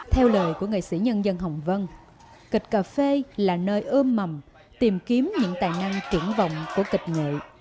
theo lời của nghệ sĩ nhân dân hồng vân kịch cà phê là nơi ươm mầm tìm kiếm những tài năng triển vọng của kịch nghệ